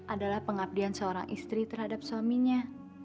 adalah pengabdian seorang istri terhadap suaminya